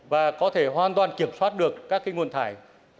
và có thể hoàn toàn kiểm soát được các nguồn thải